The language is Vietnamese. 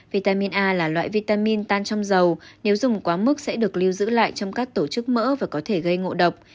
vitamin a là loại vitamin tan trong dầu nếu dùng quá mức sẽ được lưu giữ lại trong các tổ chức mỡ và có thể gây ngộ độc